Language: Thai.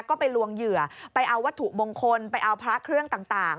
ก็ไปลวงเหยื่อไปเอาวัตถุมงคลไปเอาพระเครื่องต่าง